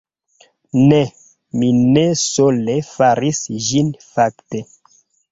Ne, mi ne sole faris ĝin fakte